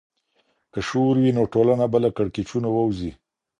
که شعور وي، نو ټولنه به له کړکېچونو ووځي.